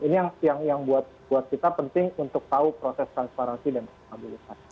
ini yang buat kita penting untuk tahu proses transparansi dan stabilitas